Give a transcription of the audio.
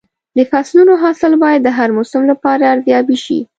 د فصلونو حاصل باید د هر موسم لپاره ارزیابي شي.